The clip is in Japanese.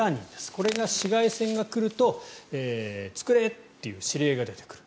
これが紫外線が来ると作れという指令が出てくる。